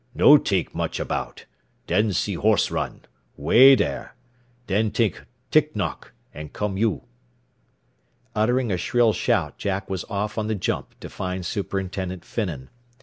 "No t'ink much about. Den see horse run way dar. Den t'ink tick knock, an' come you." Uttering a shrill shout Jack was off on the jump to find Superintendent Finnan.